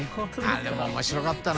△譴面白かったな。